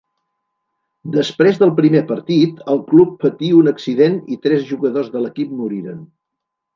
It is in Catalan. Després del primer partit el club patí un accident i tres jugadors de l'equip moriren.